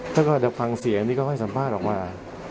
ถ้าเกิดฟังเสียอันนี้ก็ให้สัมภาษณ์ออกมา